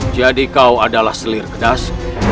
jadi kau adalah selir kedas